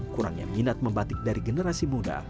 kurangnya minat membatik dari generasi muda